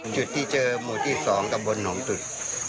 จุดที่เจอหมู่ที่๒ตำบลหนองตึก